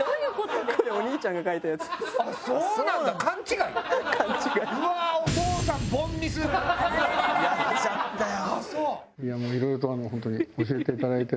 やっちゃったよ。